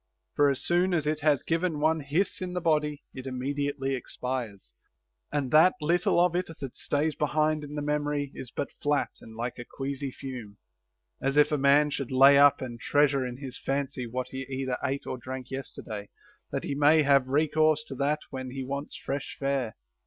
For as soon as it hath given one hiss in the body, it immediately expires, and that little of it that stays behind in the memory is but flat and like a queasy fume ; as if a man should lay up and treasure in his fancy * Otlyss. IV. 60ό. ACCORDING TO EPICURUS. 1G3 what he either ate or drank yesterday, that he may have recourse to that when he wants fresh fare.